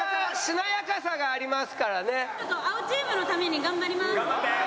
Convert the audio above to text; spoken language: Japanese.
ちょっと青チームのために頑張ります。